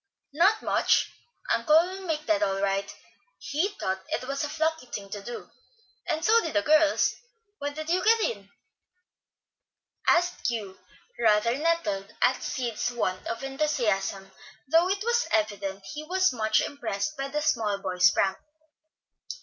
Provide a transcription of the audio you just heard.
"Not much. Uncle will make that all right. He thought it was a plucky thing to do, and so did the girls. When did you get in?" asked Hugh, rather nettled at Sid's want of enthusiasm, though it was evident he was much impressed by the "small boy's" prank.